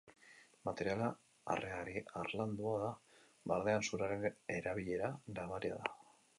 Materiala harearri-harlandua da; barnean zuraren erabilera nabaria da.